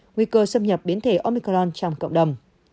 nguy cơ xâm nhập biến thể omicron trong cộng đồng